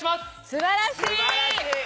・素晴らしい！